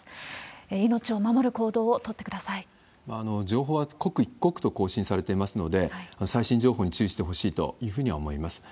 情報は刻一刻と更新されてますので、最新情報に注意してほしいというふうには思います。